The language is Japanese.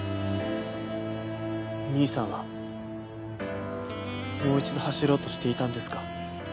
兄さんはもう一度走ろうとしていたんですか？